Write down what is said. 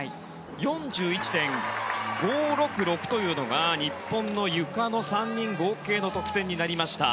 ４１．５６６というのが日本のゆかの３人合計の得点になりました。